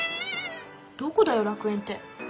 どこだよ楽園って。